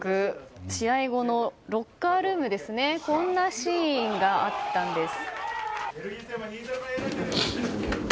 試合後のロッカールームでのこんなシーンがあったんです。